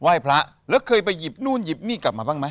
พระแล้วเคยไปหยิบนู่นหยิบนี่กลับมาบ้างไหม